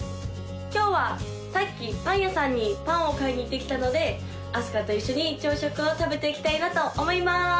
今日はさっきパン屋さんにパンを買いに行ってきたのであすかと一緒に朝食を食べていきたいなと思います